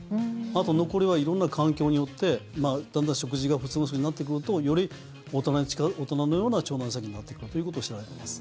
あと残りは色んな環境によってだんだん食事をするようになってくるとより大人のような腸内細菌になってくることが知られています。